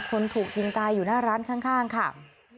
คนถูกยิงตายอยู่หน้าร้านข้างค่ะ